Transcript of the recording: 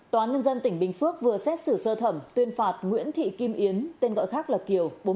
tòa án nhân dân tỉnh bình phước vừa xét xử sơ thẩm tuyên phạt nguyễn thị kim yến tên gọi khác là kiều